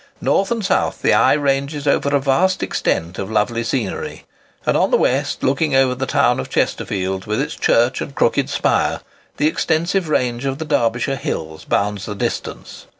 North and south the eye ranges over a vast extent of lovely scenery; and on the west, looking over the town of Chesterfield, with its church and crooked spire, the extensive range of the Derbyshire hills bounds the distance.